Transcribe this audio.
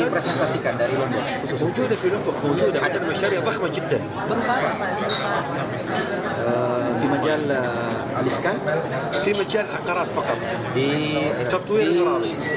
apa yang anda inginkan dari pemerintah saudi dari hukum indonesia